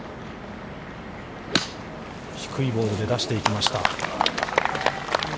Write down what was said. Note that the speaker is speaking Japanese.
低いボールで出していきました。